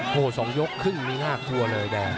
โหสองยกครึ่งมีหน้ากลัวเลยแดน